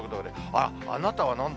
あっ、あなたはなんだ？